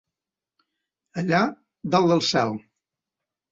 Allà dalt del cel.